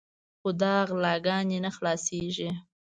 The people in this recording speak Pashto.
خو دا غلاګانې نه خلاصېږي.